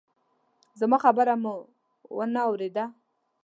زما خبره مو وانه ورېده!